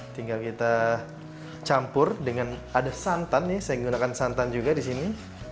tinggal kita campur dengan ada santan ya saya menggunakan santan juga disini